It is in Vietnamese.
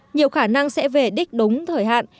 nhiều khả năng sẽ về đích đúng thời hạn